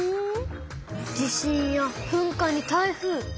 地震や噴火に台風。